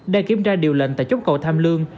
đang kiểm tra điều lệnh tại chốt cầu tham lương